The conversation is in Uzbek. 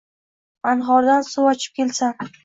Anhordan suv ochib kelsam